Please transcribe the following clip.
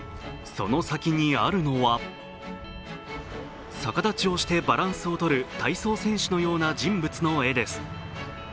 その先にあるのは逆立ちをしてバランスを取る体操選手のような人物の絵です。